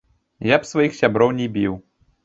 Я б сваіх сяброў не біў.